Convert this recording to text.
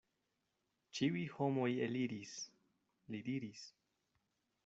Ĉiuj homoj eliris, li diris.